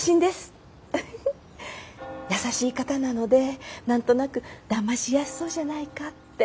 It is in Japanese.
優しい方なので何となくだましやすそうじゃないかって。